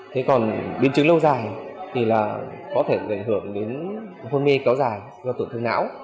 thế còn biến chứng lâu dài thì là có thể ảnh hưởng đến hôn mê kéo dài do tổn thương não